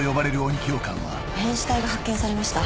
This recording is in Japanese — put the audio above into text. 「変死体が発見されました」